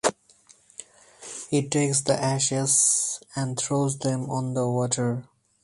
He takes the ashes and throws them on the water.